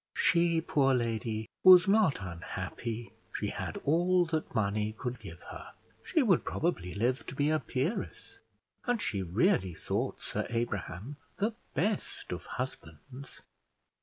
She, poor lady, was not unhappy; she had all that money could give her, she would probably live to be a peeress, and she really thought Sir Abraham the best of husbands.